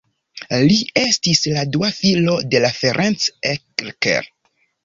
Li estis la dua filo de Ferenc Erkel.